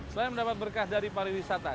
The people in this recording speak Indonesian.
selain mendapat berkah dari pariwisata